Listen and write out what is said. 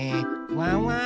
ワンワン